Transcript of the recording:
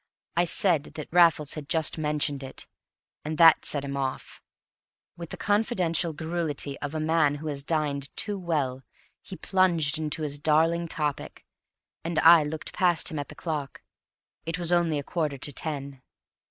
I said that Raffles had just mentioned it, and that set him off. With the confidential garrulity of a man who has dined too well, he plunged into his darling topic, and I looked past him at the clock. It was only a quarter to ten.